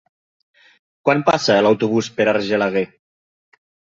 Quan passa l'autobús per Argelaguer?